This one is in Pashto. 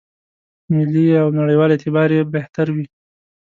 ملي او نړېوال اعتبار یې بهتر وي.